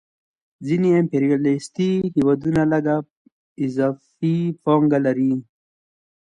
ځینې امپریالیستي هېوادونه لږ اضافي پانګه لري